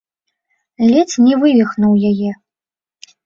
Ледзь не вывіхнуў яе.